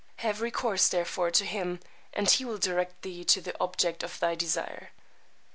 Have recourse, therefore, to him, and he will direct thee to the object of thy desire.